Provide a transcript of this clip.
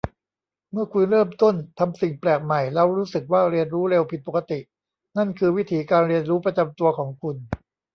เมื่อคุณเริ่มต้นทำสิ่งแปลกใหม่แล้วรู้สึกว่าเรียนรู้เร็วผิดปกติ นั่นคือวิถีการเรียนรู้ประจำตัวของคุณ